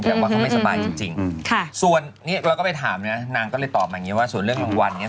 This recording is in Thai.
แต่ว่าเขาไม่สบายจริงส่วนนี้เราก็ไปถามนะนางก็เลยตอบมาอย่างนี้ว่าส่วนเรื่องรางวัลเนี่ย